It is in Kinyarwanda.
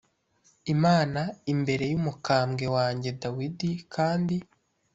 imana imbere y umukambwe wanjye dawidi kandi